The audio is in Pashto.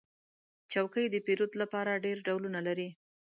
چوکۍ د پیرود لپاره ډېر ډولونه لري.